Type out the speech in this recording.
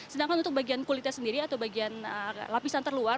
sedangkan untuk bagian kulitnya sendiri atau bagian lapisan terluar